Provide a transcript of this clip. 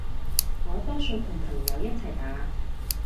我多數同朋友一齊打